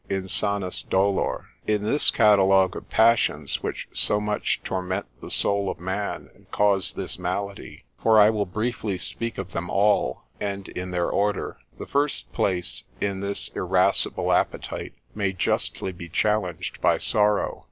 Insanus dolor_.] In this catalogue of passions, which so much torment the soul of man, and cause this malady, (for I will briefly speak of them all, and in their order,) the first place in this irascible appetite, may justly be challenged by sorrow.